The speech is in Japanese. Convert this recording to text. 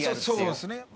そうですね。